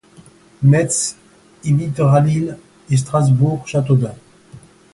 Metz imitera Lille et Strasbourg Châteaudun ;